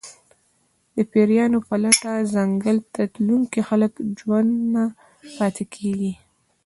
د پېریانو په لټه ځنګل ته تلونکي خلک ژوندي نه پاتې کېږي.